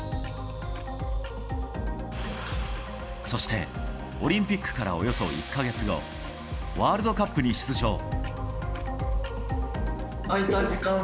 そしてオリンピックからおよそ１か月後ワールドカップに出場。